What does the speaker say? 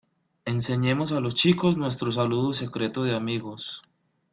Enseñemos a los chicos nuestro saludo secreto de amigos.